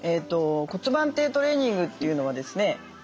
骨盤底トレーニングというのはですね